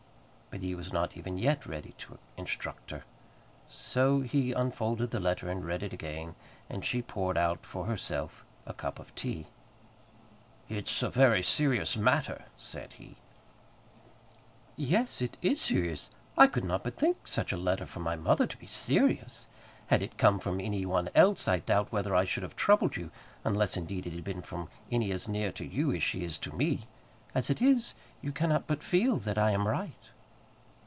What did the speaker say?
But he was not even yet ready to instruct her. So he unfolded the letter and read it again, and she poured out for herself a cup of tea. "It's a very serious matter," said he. "Yes, it is serious; I could not but think such a letter from my mother to be serious. Had it come from any one else I doubt whether I should have troubled you; unless, indeed, it had been from any as near to you as she is to me. As it is, you cannot but feel that I am right."